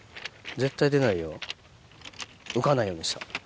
絶対出ないよ浮かないようにした。